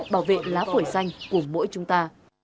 bảo vệ lá phổi xanh của mỗi chúng ta